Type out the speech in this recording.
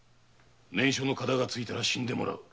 念書の片がついたら死んでもらう。